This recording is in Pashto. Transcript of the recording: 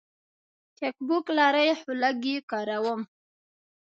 چک بوک لرئ؟ هو، خو لږ یی کاروم